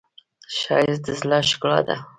ښایست د زړه ښکلا ده